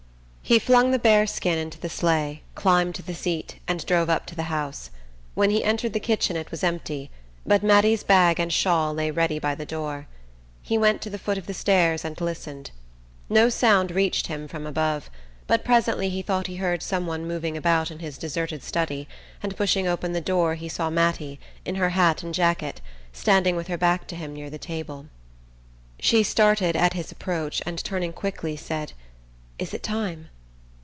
He flung the bearskin into the sleigh, climbed to the seat, and drove up to the house. When he entered the kitchen it was empty, but Mattie's bag and shawl lay ready by the door. He went to the foot of the stairs and listened. No sound reached him from above, but presently he thought he heard some one moving about in his deserted study, and pushing open the door he saw Mattie, in her hat and jacket, standing with her back to him near the table. She started at his approach and turning quickly, said: "Is it time?"